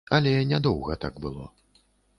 Але не доўга так было.